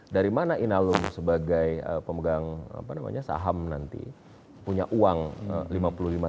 dari mana inalung sebagai pemegang saham nanti punya uang lima puluh dua persen